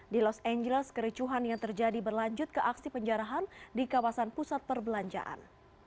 di los angeles kericuhan yang terjadi berlanjut ke aksi penjarahan di kawasan pusat perbelanjaan